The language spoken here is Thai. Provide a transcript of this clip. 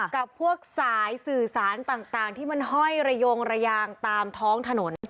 กับพวกสายสื่อสารต่างที่มันห้อยระยงระยางตามท้องถนน